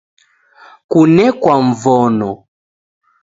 Kunekwa Mvono